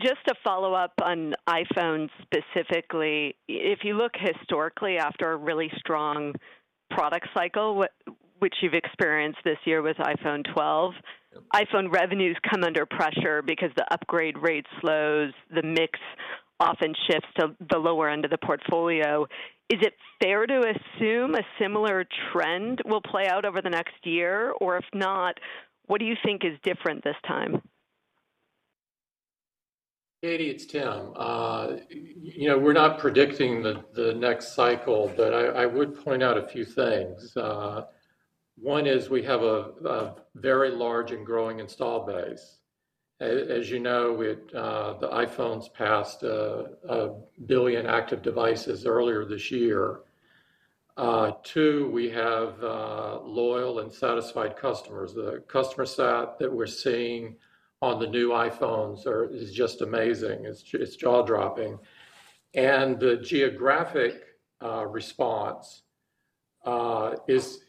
Just to follow up on the iPhone specifically, if you look historically after a really strong product cycle, which you've experienced this year with the iPhone 12, iPhone revenues come under pressure because the upgrade rate slows and the mix often shifts to the lower end of the portfolio. Is it fair to assume a similar trend will play out over the next year? If not, what do you think is different this time? Katie, it's Tim. We're not predicting the next cycle, but I would point out a few things. One is that we have a very large and growing install base. As you know, the iPhone passed 1 billion active devices earlier this year. Two, we have loyal and satisfied customers. The customer said that what we're seeing on the new iPhone is just amazing. It's jaw-dropping. The geographic response is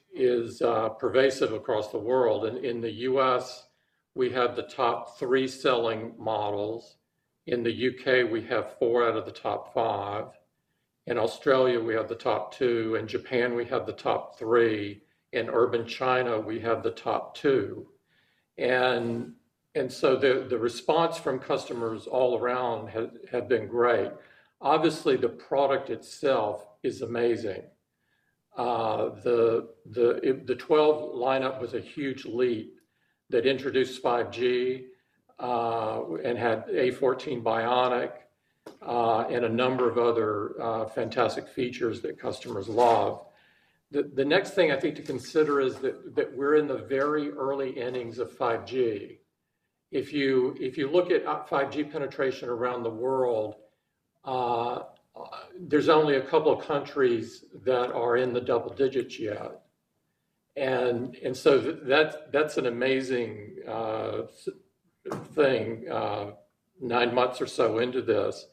pervasive across the world. In the U.S., we have the top three selling models. In the U.K., we have four out of the top five. In Australia, we have the top two. In Japan, we have the top three. In urban China, we have the top two. The response from customers all around has been great. Obviously, the product itself is amazing. The 12 lineup was a huge leap that introduced 5G and had the A14 Bionic and a number of other fantastic features that customers love. The next thing I think to consider is that we're in the very early innings of 5G. If you look at 5G penetration around the world, there are only two countries that are in the double digits yet. So that's an amazing thing nine months or so into this.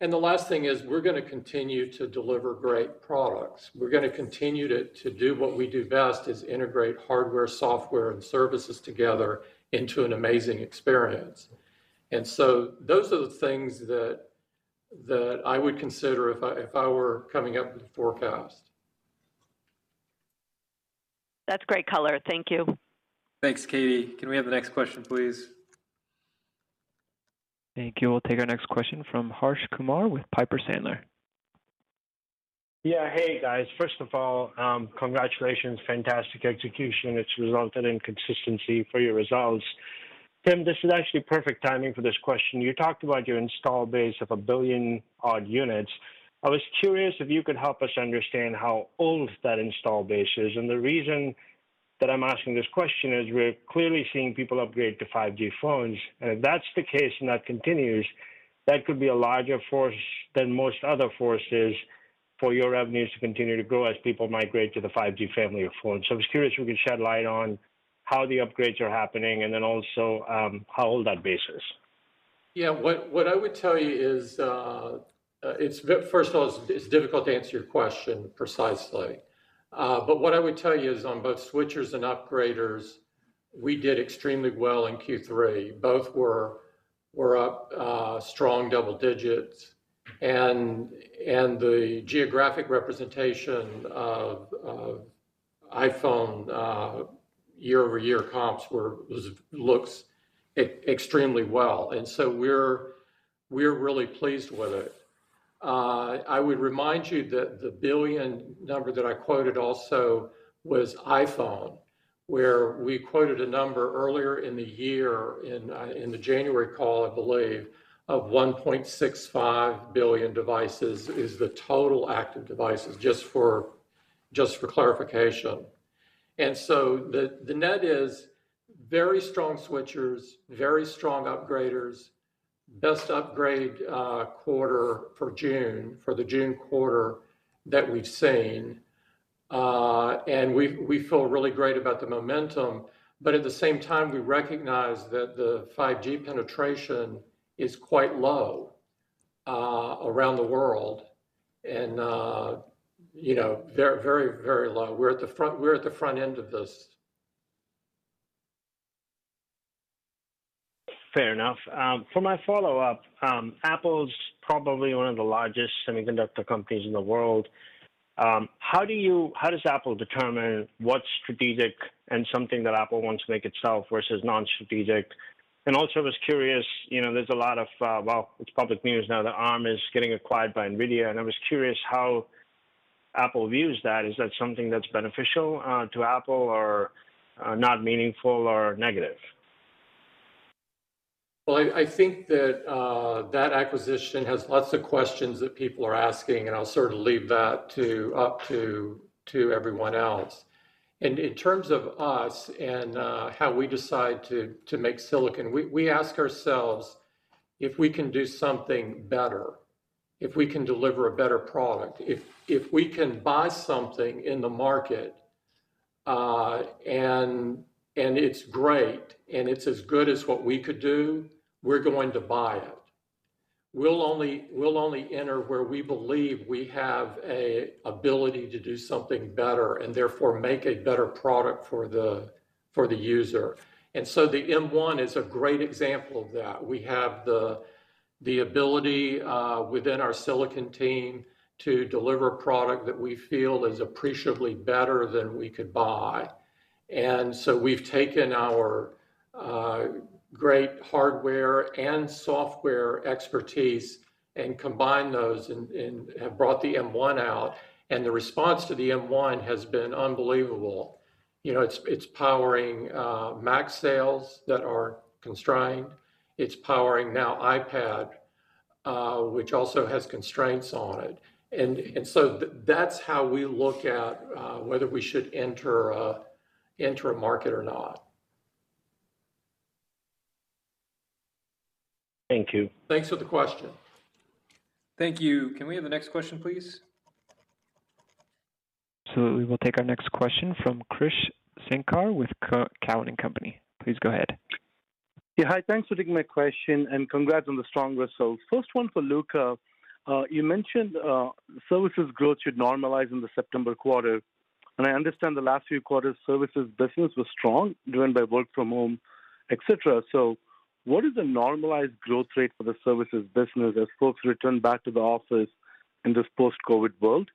The last thing is we're going to continue to deliver great products. We're going to continue to do what we do best: integrate hardware, software, and services together into an amazing experience. So those are the things that I would consider if I were coming up with a forecast. That's a great color. Thank you. Thanks, Katie. Can we have the next question, please? Thank you. We'll take our next question from Harsh Kumar with Piper Sandler. Hey, guys. First of all, congratulations. Fantastic execution. It's resulted in consistency for your results. Tim, this is actually perfect timing for this question. You talked about your install base of 1 billion odd units. I was curious if you could help us understand how old that install base is, and the reason that I'm asking this question is we're clearly seeing people upgrade to 5G phones, and if that's the case and that continues, that could be a larger force than most other forces for your revenues to continue to grow as people migrate to the 5G family of phones. I was curious if you could shed light on how the upgrades are happening and then also how old that base is. Yeah. What I would tell you is, first of all, it's difficult to answer your question precisely. What I would tell you is that on both switchers and upgraders, we did extremely well in Q3. Both were up strong double digits. The geographic representation of iPhone year-over-year comps looks extremely good. We're really pleased with it. I would remind you that the billion number that I quoted was also for iPhone, where we quoted a number earlier in the year, in the January call, I believe, of 1.65 billion devices as the total active devices, just for clarification. The net is very strong, switchers are very strong, and it's the best upgrade quarter for the June quarter that we've seen. We feel really great about the momentum, but at the same time, we recognize that the 5G penetration is quite low around the world and very low. We're at the front end of this. Fair enough. For my follow-up, Apple's probably one of the largest semiconductor companies in the world. How does Apple determine what's strategic and something that Apple wants to make itself versus non-strategic? Also, I was curious. Well, it's public news now that Arm is getting acquired by NVIDIA, and I was curious how Apple views that. Is that something that's beneficial to Apple, or not meaningful, or negative? Well, I think that acquisition has lots of questions that people are asking, and I'll sort of leave that up to everyone else. In terms of us and how we decide to make silicon, we ask ourselves if we can do something better, if we can deliver a better product. If we can buy something in the market, and it's great, and it's as good as what we could do, we're going to buy it. We'll only enter where we believe we have an ability to do something better and, therefore, make a better product for the user. The M1 is a great example of that. We have the ability within our silicon team to deliver a product that we feel is appreciably better than we could buy. We've taken our great hardware and software expertise and combined those and have brought the M1 out, and the response to the M1 has been unbelievable. It's powering Mac sales that are constrained. It's powering the iPad now, which also has constraints on it. That's how we look at whether we should enter a market or not. Thank you. Thanks for the question. Thank you. Can we have the next question, please? We will take our next question from Krish Sankar with Cowen and Company. Please go ahead. Yeah. Hi. Thanks for taking my question and congrats on the strong results. First one for Luca. You mentioned services growth should normalize in the September quarter. I understand the last few quarters' services business was strong, driven by work from home, et cetera. What is the normalized growth rate for the services business as folks return back to the office in this post-COVID world?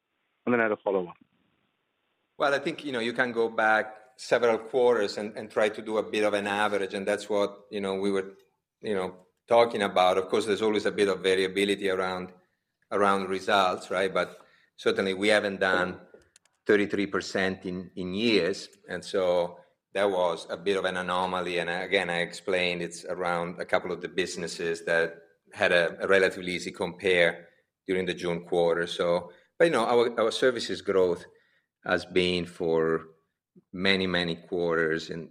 I had a follow-up. Well, I think you can go back several quarters and try to do a bit of an average, and that's what we were talking about. Of course, there's always a bit of variability around results, right? Certainly, we haven't done 33% in years; that was a bit of an anomaly. Again, I explained it's around a couple of the businesses that had a relatively easy comparison during the June quarter. Our services' growth has been for many, many quarters in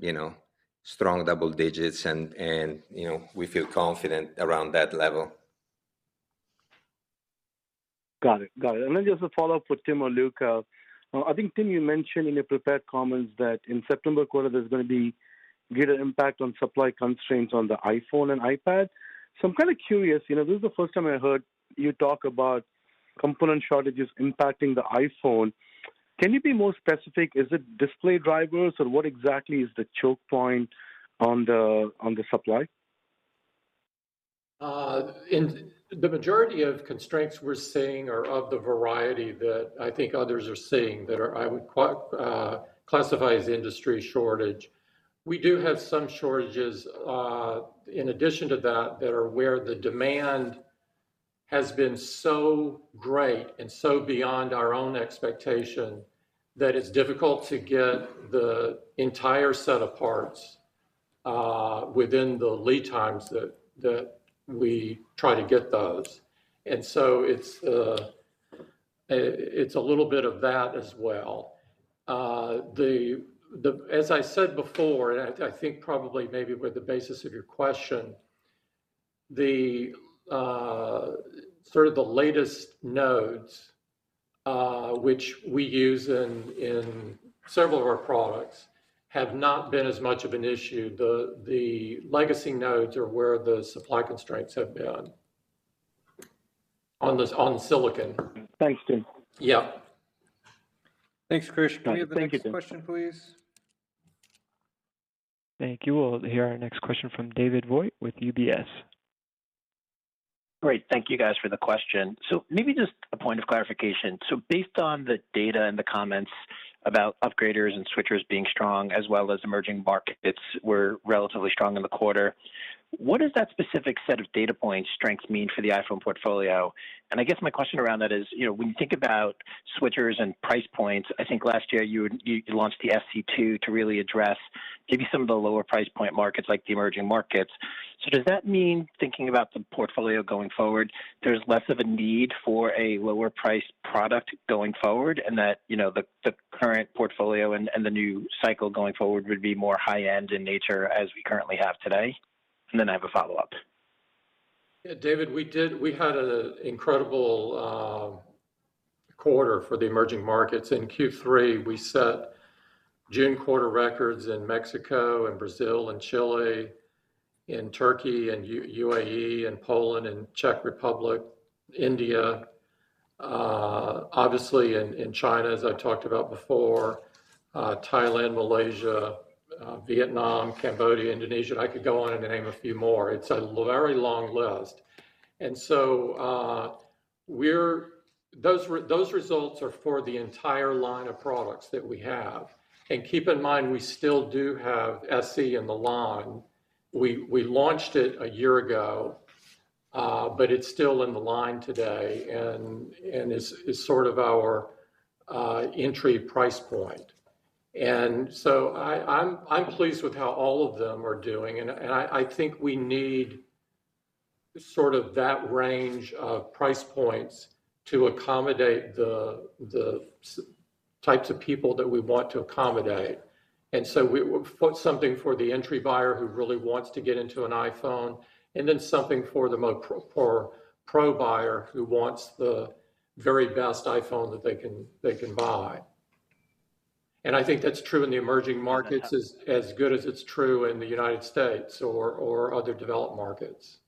strong double digits, and we feel confident around that level. Got it. Just a follow-up for Tim or Luca. I think, Tim, you mentioned in your prepared comments that in September quarter, there's going to be a greater impact on supply constraints on the iPhone and iPad. I'm kind of curious; this is the first time I've heard you talk about component shortages impacting the iPhone. Can you be more specific? Is it display drivers, or what exactly is the choke point on the supply? The majority of constraints we're seeing are of the variety that I think others are seeing, which I would classify as industry shortage. We do have some shortages in addition to those where the demand has been so great and so beyond our own expectation that it's difficult to get the entire set of parts within the lead times that we try to get those. It's a little bit of that as well. As I said before, and I think probably maybe they were the basis of your question, the sort of latest nodes, which we use in several of our products, have not been as much of an issue. The legacy nodes are where the supply constraints have been on silicon. Thanks, Tim. Yeah. Thanks, Krish. Thank you, Tim. Can we have the next question, please? Thank you. We'll hear our next question from David Vogt with UBS. Great. Thank you guys for the question. Maybe just a point of clarification. Based on the data and the comments about upgraders and switchers being strong, as well as emerging markets being relatively strong in the quarter, what do those specific data points' strengths mean for the iPhone portfolio? I guess my question around that is, when you think about switchers and price points, I think last year you launched the SE2 to really address maybe some of the lower price point markets, like the emerging ones. Does that mean, thinking about the portfolio going forward, there's less of a need for a lower-priced product going forward, and that the current portfolio and the new cycle going forward would be more high-end in nature as we currently have today? Then I have a follow-up. Yeah, David, we had an incredible quarter for the emerging markets. In Q3, we set June quarter records in Mexico and Brazil and Chile; in Turkey and UAE and Poland and Czech Republic; in India, obviously; in China, as I've talked about before; in Thailand, Malaysia, Vietnam, Cambodia, and Indonesia, and I could go on and name a few more. It's a very long list. Those results are for the entire line of products that we have. Keep in mind, we still do have SE in the line. We launched it one year ago, but it's still in the line today and is sort of our entry price point. I'm pleased with how all of them are doing, and I think we need sort of that range of price points to accommodate the types of people that we want to accommodate. We put something for the entry-level buyer who really wants to get into an iPhone and then something for the more pro buyer who wants the very best iPhone that they can buy. I think that's true in the emerging markets as much as it's true in the United States or other developed markets.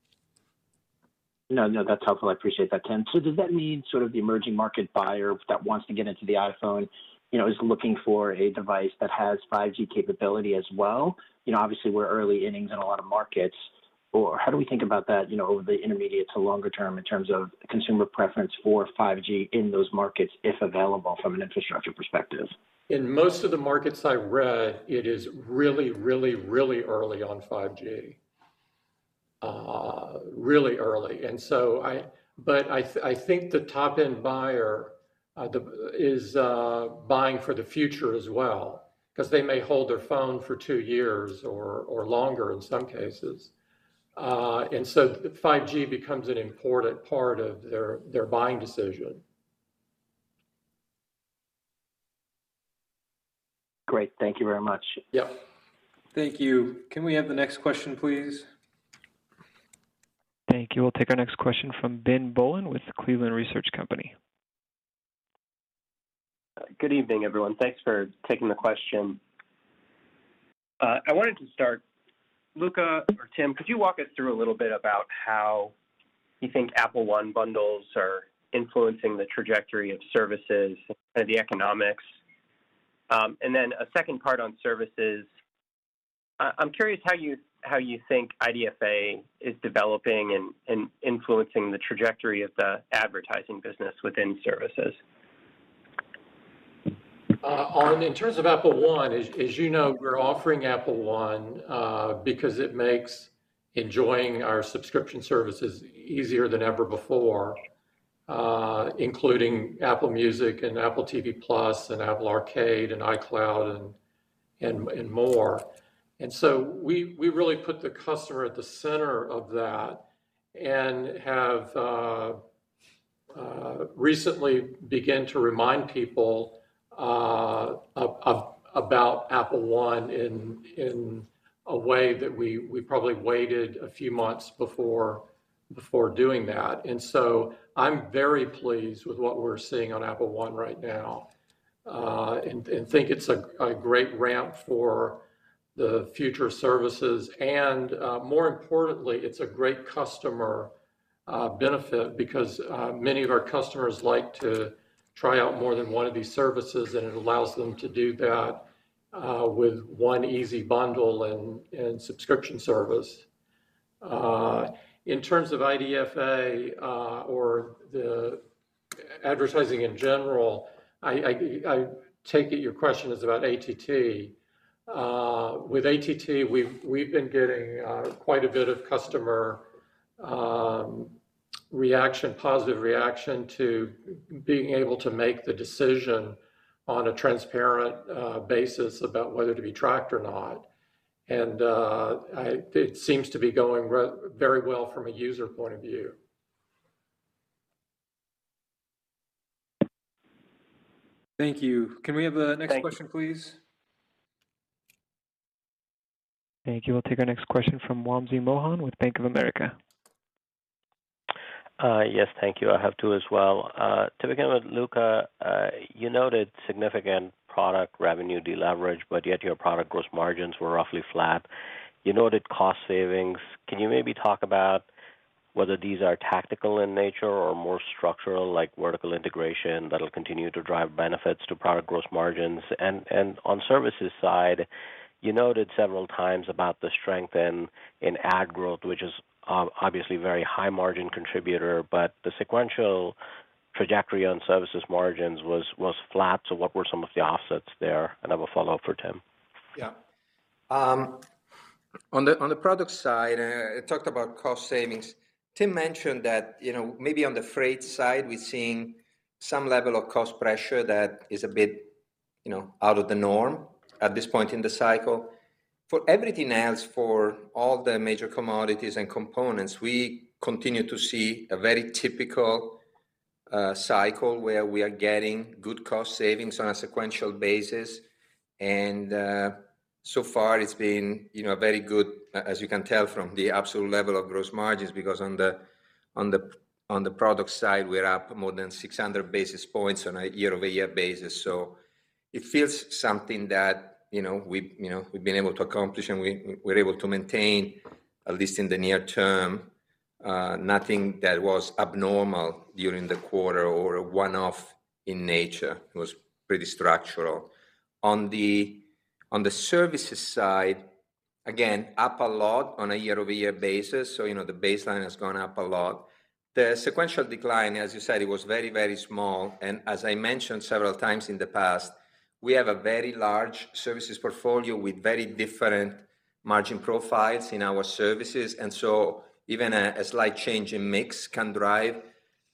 No, that's helpful. I appreciate that, Tim. Does that mean the sort of emerging market buyer that wants to get into the iPhone is looking for a device that has 5G capability as well? Obviously, we're early innings in a lot of markets, or how do we think about that over the intermediate to longer term in terms of consumer preference for 5G in those markets, if available from an infrastructure perspective? In most of the markets I read, it is really, really, really early for 5G. Really early. I think the top-end buyer is buying for the future as well, because they may hold their phone for two years or longer in some cases. 5G becomes an important part of their buying decision. Great. Thank you very much. Yeah. Thank you. Can we have the next question, please? Thank you. We'll take our next question from Benjamin Bollin with the Cleveland Research Company. Good evening, everyone. Thanks for taking the question. I wanted to start. Luca or Tim, could you walk us through a little bit about how you think Apple One bundles are influencing the trajectory of services and the economics? Then a second part on services. I'm curious how you think IDFA is developing and influencing the trajectory of the advertising business within services. In terms of Apple One, as you know, we're offering Apple One because it makes enjoying our subscription services easier than ever before, including Apple Music and Apple TV+ and Apple Arcade and iCloud and more. We really put the customer at the center of that and have recently begun to remind people about Apple One in a way that we probably waited a few months before doing that. I'm very pleased with what we're seeing on Apple One right now and think it's a great ramp for future services. More importantly, it's a great customer benefit because many of our customers like to try out more than one of these services, and it allows them to do that with one easy bundle and subscription service. In terms of IDFA, or the advertising in general, I take it your question is about ATT. With ATT, we've been getting quite a bit of customer reaction, positive reaction to being able to make the decision on a transparent basis about whether to be tracked or not. It seems to be going very well from a user point of view. Thank you. Can we have the next question, please? Thank you. We'll take our next question from Wamsi Mohan with Bank of America. Yes. Thank you. I have two as well. To begin with, Luca, you noted significant product revenue deleverage, but yet your product gross margins were roughly flat. You noted cost savings. Can you maybe talk about whether these are tactical in nature or more structural, like vertical integration, that'll continue to drive benefits to product gross margins? On the services side, you noted several times the strength in ad growth, which is obviously a very high-margin contributor, but the sequential trajectory on services margins was flat. What were some of the offsets there? I have a follow-up for Tim. Yeah. On the product side, I talked about cost savings. Tim mentioned that maybe on the freight side, we're seeing some level of cost pressure that is a bit out of the norm at this point in the cycle. For everything else, for all the major commodities and components, we continue to see a very typical cycle where we are getting good cost savings on a sequential basis. So far it's been very good, as you can tell from the absolute level of gross margins, because on the product side, we're up more than 600 basis points on a year-over-year basis. It feels like something that we've been able to accomplish and we're able to maintain, at least in the near term. Nothing that was abnormal during the quarter or a one-off in nature. It was pretty structural. On the services side, again, up a lot on a year-over-year basis, the baseline has gone up a lot. The sequential decline, as you said, was very small, as I mentioned several times in the past; we have a very large services portfolio with very different margin profiles in our services. Even a slight change in mix can drive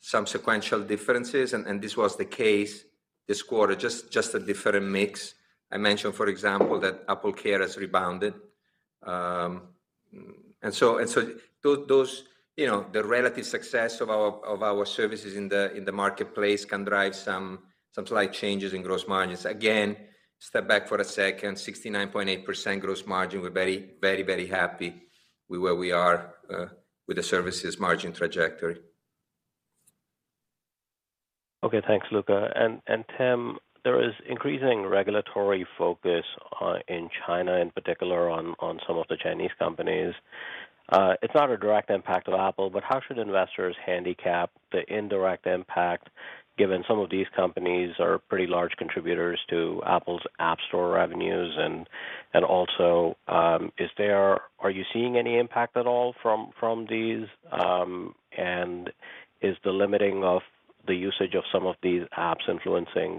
some sequential differences; this was the case this quarter, just a different mix. I mentioned, for example, that AppleCare has rebounded. The relative success of our services in the marketplace can drive some slight changes in gross margins. Again, step back for a second: 69.8% gross margin. We're very happy with where we are with the services' margin trajectory. Okay. Thanks, Luca. And Tim, there is increasing regulatory focus in China, in particular on some of the Chinese companies. It's not a direct impact of Apple, but how should investors handicap the indirect impact given some of these companies are pretty large contributors to Apple's App Store revenues? Are you seeing any impact at all from these? Is the limiting of the usage of some of these apps influencing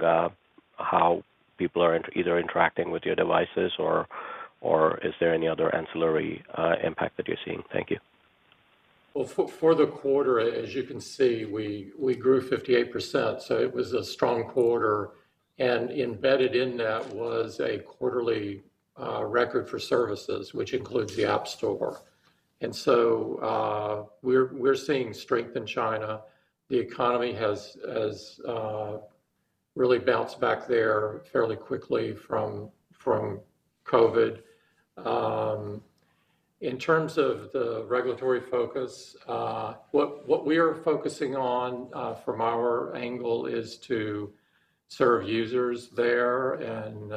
how people are interacting with your devices, or is there any other ancillary impact that you're seeing? Thank you. For the quarter, as you can see, we grew 58%, so it was a strong quarter, and embedded in that was a quarterly record for services, which includes the App Store. We're seeing strength in China. The economy has really bounced back there fairly quickly from COVID-19. In terms of the regulatory focus, what we're focusing on from our angle is to serve users there and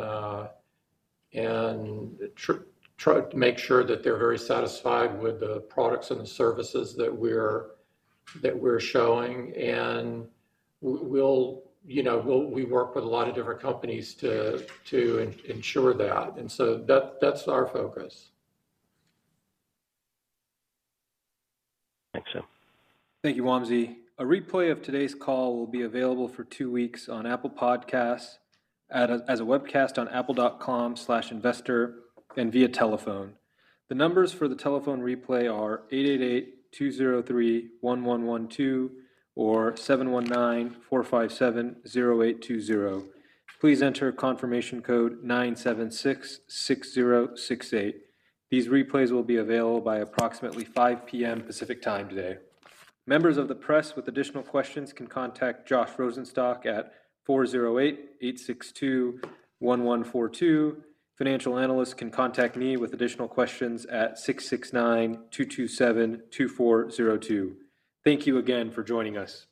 try to make sure that they're very satisfied with the products and the services that we're showing. We work with a lot of different companies to ensure that. That's our focus. Thanks, Tim. Thank you, Wamsi. A replay of today's call will be available for two weeks on Apple Podcasts as a webcast on apple.com/investor and via telephone. The numbers for the telephone replay are 888-203-1112 or 719-457-0820. Please enter confirmation code 9766068. These replays will be available by approximately 5:00 P.M. Pacific Time today. Members of the press with additional questions can contact Josh Rosenstock at 408-862-1142. Financial analysts can contact me with additional questions at 669-227-2402. Thank you again for joining us.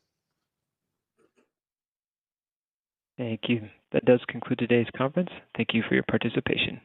Thank you. That does conclude today's conference. Thank you for your participation.